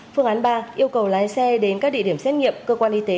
phương án ba yêu cầu lái xe đến các địa điểm xét nghiệm cơ quan y tế